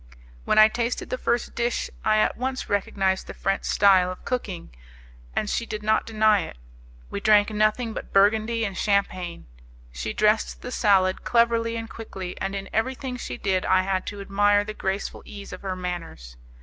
When I tasted the first dish I at once recognized the French style of cooking, and she did not deny it. We drank nothing but Burgundy and Champagne. She dressed the salad cleverly and quickly, and in everything she did I had to admire the graceful ease of her manners.